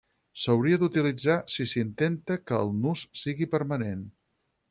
S'hauria d'utilitzar si s'intenta que el nus sigui permanent.